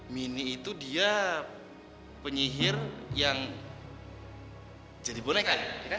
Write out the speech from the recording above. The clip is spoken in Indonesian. mini itu dia penyihir yang jadi bonekan